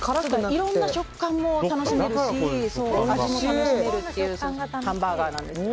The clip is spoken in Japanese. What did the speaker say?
いろんな食感も楽しめるし味も楽しめるっていうハンバーガーなんです。